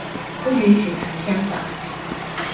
不允許談香港